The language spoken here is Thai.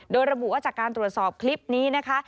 โดยระบุว่าจากการตรวจสอบคลิปนี้นะคะ